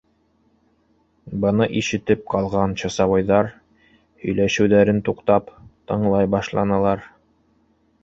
Быны ишетеп ҡалған часовойҙар, һөйләшеүҙәренән туҡтап, тыңлай башланылар.